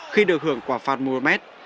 khi được hưởng quả phạt mourmet